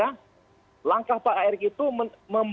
nah langkah pak erick itu